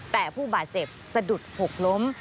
แต่ผู้บาดเจ็บสะดุดหกล้ม